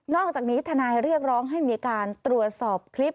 อกจากนี้ทนายเรียกร้องให้มีการตรวจสอบคลิป